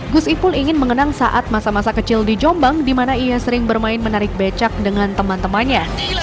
gus ipul ingin mengenang saat masa masa kecil di jombang di mana ia sering bermain menarik becak dengan teman temannya